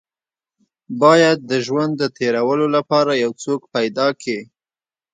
بايد د ژوند د تېرولو لپاره يو څوک پيدا کې.